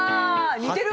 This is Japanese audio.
似てる！